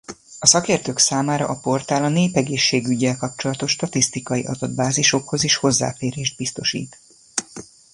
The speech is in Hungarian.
A szakértők számára a portál a népegészségüggyel kapcsolatos statisztikai adatbázisokhoz is hozzáférést biztosít.